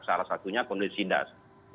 salah satunya kondisi dasar